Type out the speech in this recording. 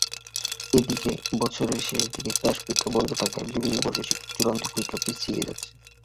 এদিকে বছরের শেষ দিকে ক্লাস-পরীক্ষা বন্ধ থাকায় বিভিন্ন বর্ষের চূড়ান্ত পরীক্ষা পিছিয়ে যাচ্ছে।